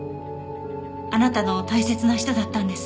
あなたの大切な人だったんですね